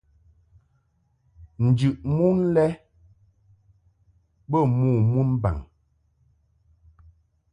Njɨʼ mon lɛ bə mo mɨmbaŋ.